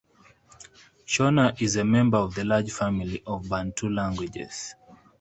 Shona is a member of the large family of Bantu languages.